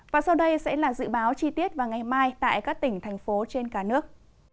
và sau đây sẽ là dự báo chi tiết vào ngày mai tại các tỉnh thành phố trên cả nước